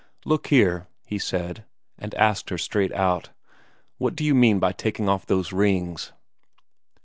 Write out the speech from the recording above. "Look here," he said, and asked her straight out, "What d'you mean by taking off those rings?"